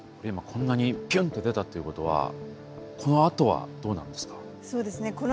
今こんなにピュンッて出たっていうことはこのあとはどうなるんですか？